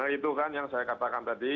itu kan yang saya katakan tadi